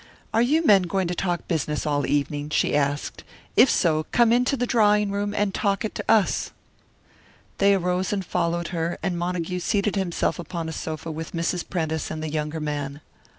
"Are you men going to talk business all evening?" she asked. "If so, come into the drawing room, and talk it to us." They arose and followed her, and Montague seated himself upon a sofa with Mrs. Prentice and the younger man.